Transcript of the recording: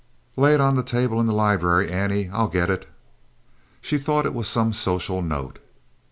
"Lay it on the table in the library, Annie. I'll get it." She thought it was some social note.